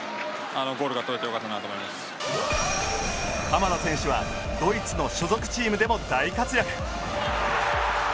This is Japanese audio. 鎌田選手はドイツの所属チームでも大活躍！